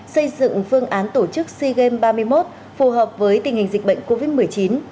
xây dựng phương án tổ chức sea games ba mươi một phù hợp với tình hình dịch bệnh covid một mươi chín